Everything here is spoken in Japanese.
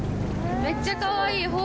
めっちゃかわいい。